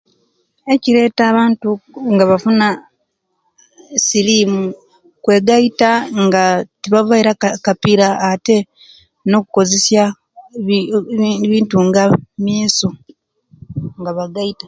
Ecireta abantu okufuna osirimu, kwegaita nga tibavaaire akapiira ate nokukozesia ebintu bintu nga myeeso.